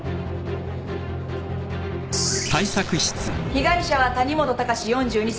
被害者は谷本隆４２歳。